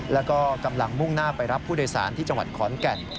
แล้วก็กำลังมุ่งหน้าไปรับผู้โดยสารที่จังหวัดขอนแก่น